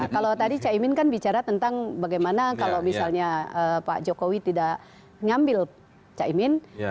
kalau tadi cak iminin kan bicara tentang bagaimana kalau misalnya pak jokowi tidak mengambil cak iminin